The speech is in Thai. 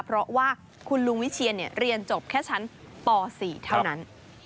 เพราะว่าคุณลุงวิเชียนเรียนจบแค่ชั้นป๔เท่านั้น